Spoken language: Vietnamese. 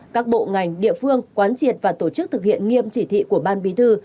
các bộ ngành địa phương quán triệt và tổ chức thực hiện nghiêm chỉ thị của ban bí thư